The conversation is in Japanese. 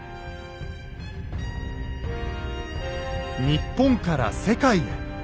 日本から世界へ。